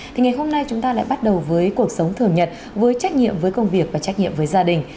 thì ngày hôm nay chúng ta lại bắt đầu với cuộc sống thường nhật với trách nhiệm với công việc và trách nhiệm với gia đình